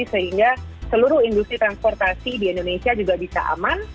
sehingga seluruh industri transportasi di indonesia juga bisa aman